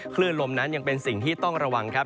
คลื่นลมนั้นยังเป็นสิ่งที่ต้องระวังครับ